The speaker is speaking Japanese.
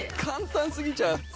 簡単過ぎちゃう。